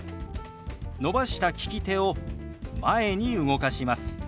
伸ばした利き手を前に動かします。